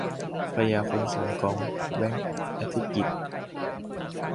ภรรยาคนสวยของ แบงค์ อธิกิตติ์